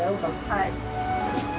はい。